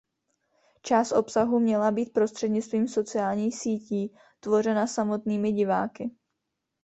Část obsahu měla být prostřednictvím sociálních sítí tvořena samotnými diváky.